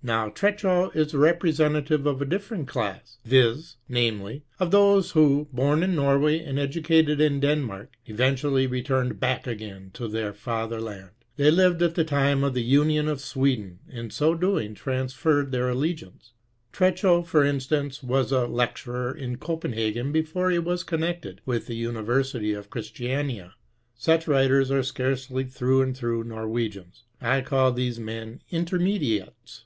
Now Treschow is the representative of a different class, viz. of those who, bom in Norway, and educated in Denmark, eventually returned beck again to their father land. They lived at the time of the Union with Sweden, and so doing, transfer* r^ their allegiance. Treschow, for instance, was a Lecturer in Copenhagen beSwe he wm connected with the University of Christiania. Such writers are scarcely through and through Norwegians. I call these men Intermediates.